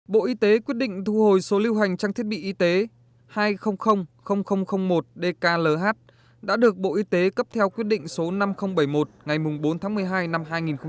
bộ y tế quyết định thu hồi số lưu hành trang thiết bị y tế hai trăm linh một dklh đã được bộ y tế cấp theo quyết định số năm nghìn bảy mươi một ngày bốn tháng một mươi hai năm hai nghìn một mươi bảy